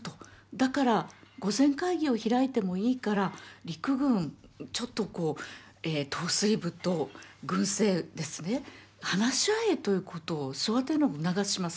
だから御前会議を開いてもいいから陸軍ちょっと統帥部と軍政ですね話し合えということを昭和天皇が促します。